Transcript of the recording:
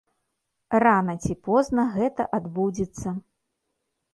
Рана ці позна гэта адбудзецца.